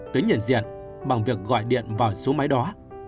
tuyến nhận diện bằng việc gọi điện vào số máy đó